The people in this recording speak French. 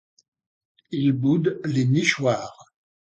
Il boude les nichoirs.